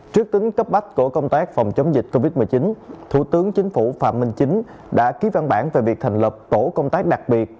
trước tính cấp bách của công tác phòng chống dịch covid một mươi chín thủ tướng chính phủ phạm minh chính đã ký văn bản về việc thành lập tổ công tác đặc biệt